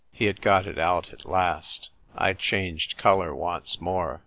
He had got it out at last. I changed colour once more.